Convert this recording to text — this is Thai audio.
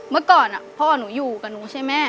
เมื่อก่อนพ่อหนูอยู่กันตรงนั้นใช่มะ